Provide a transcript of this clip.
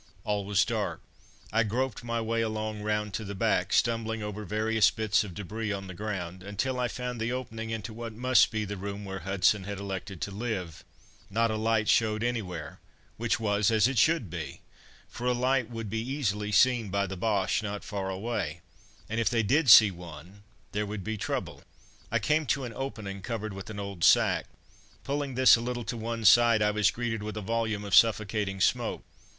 All was dark. I groped my way along round to the back, stumbling over various bits of debris on the ground, until I found the opening into what must be the room where Hudson had elected to live. Not a light showed anywhere, which was as it should be, for a light would be easily seen by the Boches not far away, and if they did see one there would be trouble. [Illustration: "Someone's been at this blinkin Strawberry"] I came to an opening covered with an old sack. Pulling this a little to one side I was greeted with a volume of suffocating smoke.